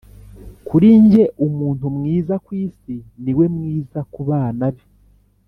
kuri njye, umuntu mwiza kwisi niwe mwiza kubana be,